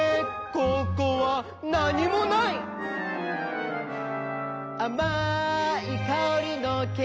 ここはなにもない」「あまいかおりのケーキやさんも」